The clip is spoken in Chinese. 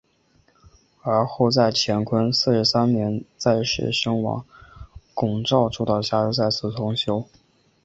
而后在乾隆四十三年在士绅王拱照主导下又再次重修。